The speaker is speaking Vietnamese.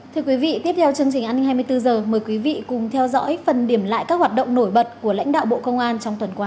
thưa quý vị tiếp theo chương trình an ninh hai mươi bốn h mời quý vị cùng theo dõi phần điểm lại các hoạt động nổi bật của lãnh đạo bộ công an trong tuần qua